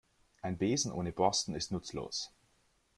Ein Besen ohne Borsten ist nutzlos.